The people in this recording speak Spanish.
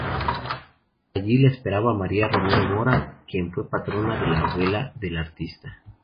Allí la esperaba María Romero Mora, quien fue patrona de la abuela del artista.